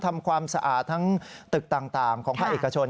ทำความสะอาดทั้งตึกต่างของภาคเอกชน